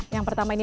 yang pertama ini